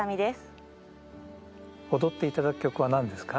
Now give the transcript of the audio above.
踊っていただく曲は何ですか？